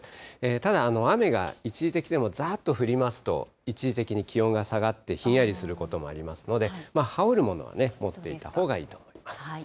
ただ、雨が一時的でも、ざーっと降りますと、一時的に気温が下がって、ひんやりすることもありますので、羽織るものは持っていたほうがよさそうです。